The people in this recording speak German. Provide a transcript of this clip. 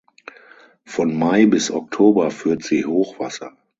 Von Mai bis Oktober führt sie Hochwasser.